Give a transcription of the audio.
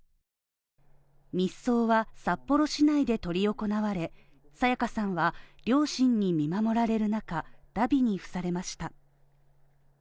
密葬は、札幌市内で執り行われ、沙也加さんは両親に見守られる中、荼毘に付されました。